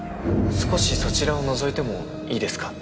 少しそちらを覗いてもいいですか？